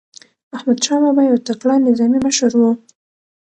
احمدشاه بابا یو تکړه نظامي مشر و.